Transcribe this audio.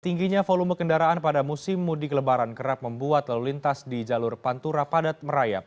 tingginya volume kendaraan pada musim mudik lebaran kerap membuat lalu lintas di jalur pantura padat merayap